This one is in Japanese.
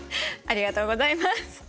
ありがとうございます。